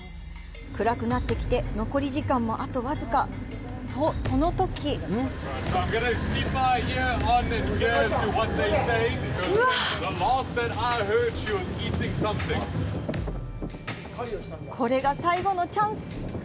暗くなってきて残り時間もあとわずかと、そのとき！これが最後のチャンス！